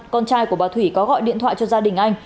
con trai của bà thủy có gọi điện thoại cho gia đình anh